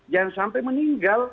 jangan sampai meninggal